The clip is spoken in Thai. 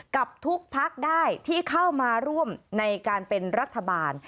กับทุกพักได้ที่เข้ามาร่วมในการเป็นรัฐบาล